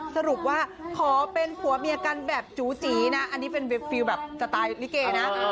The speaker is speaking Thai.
สรุปว่าขอเป็นผัวเมียกันแบบจู๋จีนะอันนี้เป็นแบบจะตายนิเกย์นะอ่า